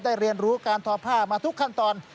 เรียนรู้การทอผ้ามาทุกขั้นตอน